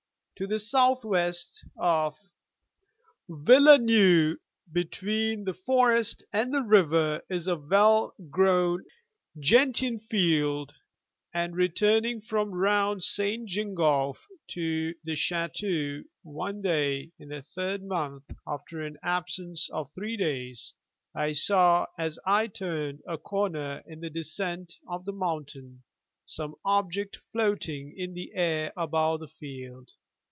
To the south west of Villeneuve, between the forest and the river is a well grown gentian field, and returning from round St. Gingolph to the Château one day in the third month after an absence of three days, I saw, as I turned a corner in the descent of the mountain, some object floating in the air above the field.